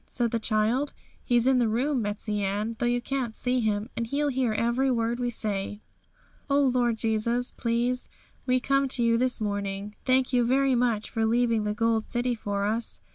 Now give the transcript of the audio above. said the child. 'He's in the room, Betsey Ann, though you can't see Him, and He'll hear every word we say.' 'O Lord Jesus, please, we come to you this morning. Thank you very much for leaving the Gold City for us.